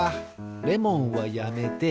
レモンはやめて。